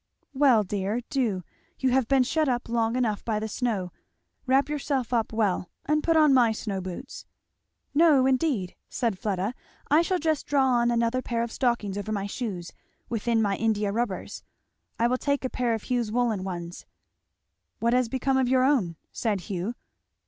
"Well, dear, do. You have been shut up long enough by the snow. Wrap yourself up well, and put on my snow boots." "No indeed!" said Fleda. "I shall just draw on another pair of stockings over my shoes, within my India rubbers I will take a pair of Hugh's woollen ones." "What has become of your own?" said Hugh.